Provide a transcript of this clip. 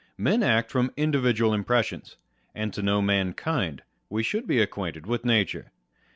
Men act from individual impressions; and to know mankind, we should be ac quainted with nature.